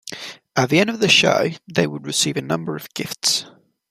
At the end of the show they would receive a number of gifts.